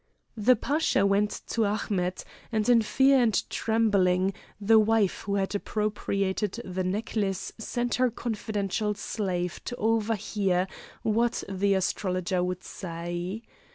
The Pasha went to Ahmet, and, in fear and trembling, the wife who had appropriated the necklace sent her confidential slave to overhear what the astrologer would say.